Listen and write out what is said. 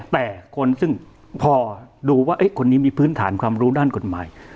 แต่คนซึ่งพอดูว่าคนนี้มีพื้นฐานความรู้ด้านกฎหมาย